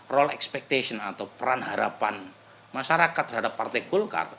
role expectation atau peran harapan masyarakat terhadap partai golkar